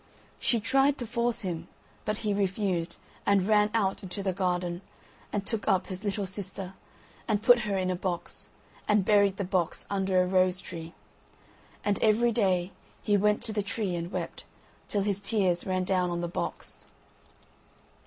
She tried to force him, but he refused, and ran out into the garden, and took up his little sister, and put her in a box, and buried the box under a rose tree; and every day he went to the tree and wept, till his tears ran down on the box.